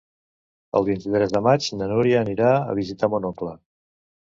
El vint-i-tres de maig na Núria anirà a visitar mon oncle.